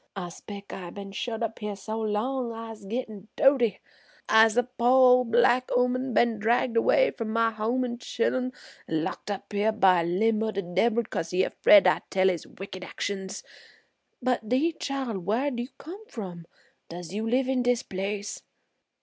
I 'spec' I been shut up her so long I'se gittin' doaty. I'se a po' ol'black 'ooman, been dragged 'way from my home an' chillun an' locked up here by a limb o' de debbil 'cause he's 'fraid I tell his wicked actions. But 'deed chile, whar'd you come from? Does you live in dis place?"